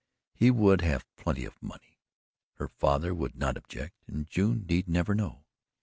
He would have plenty of money. Her father would not object, and June need never know.